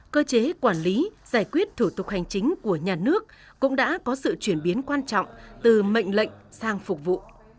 cơ chế quản lý giải quyết thủ tục hành chính của nhà nước cũng đã có sự chuyển biến quan trọng từ mệnh lệnh sang phục vụ